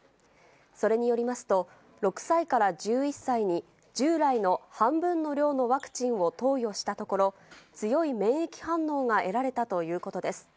それによりますと、６歳から１１歳に従来の半分の量のワクチンを投与したところ、強い免疫反応が得られたということです。